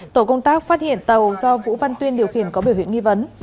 tổ công tác phát hiện tàu do vũ văn tuyên điều khiển có biểu hiện nghi vấn